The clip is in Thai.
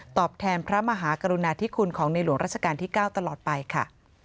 แทนพระมหากรุณาธิคุณของในหลวงราชการที่๙ตลอดไปค่ะ